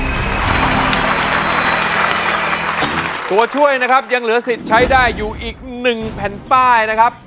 ตัวช่วยนะครับยังเหลือสิทธิ์ใช้ได้อยู่อีก๑แผ่นป้ายนะครับ